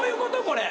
これ。